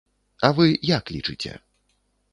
А вы як лічыце?